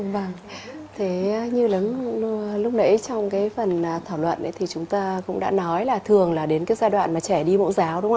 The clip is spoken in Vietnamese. vâng như lúc nãy trong phần thảo luận thì chúng ta cũng đã nói là thường đến giai đoạn trẻ đi mẫu giáo